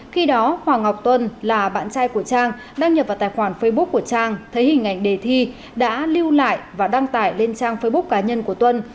khi đó hoàng ngọc tuân là bạn trai của trang đăng nhập vào tài khoản facebook của trang thấy hình ảnh đề thi đã lưu lại và đăng tải lên trang facebook cá nhân của tuân